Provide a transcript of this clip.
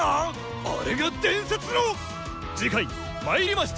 あれが伝説の⁉次回「魔入りました！